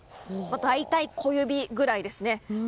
大体、小指ぐらいですね。